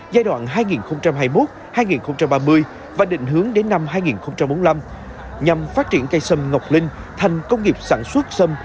giai đoạn hai nghìn hai mươi một hai nghìn ba mươi và định hướng đến năm hai nghìn bốn mươi năm nhằm phát triển cây sâm ngọc linh thành công nghiệp sản xuất sâm